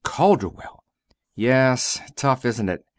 Calderwell!" "Yes. Tough, isn't it?